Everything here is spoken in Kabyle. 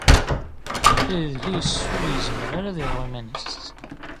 Adlis ur izmer ara ad iɣer iman-is.